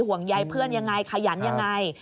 ห่วงใยเพื่อนยังไงขยันยังไง